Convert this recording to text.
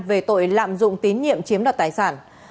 về tội lạm dụng tín nhiệm chiếm đoạt tài sản